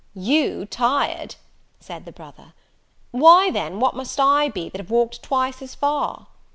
"You tired!" said the brother; "why, then, what must I be, that have walked twice as far?"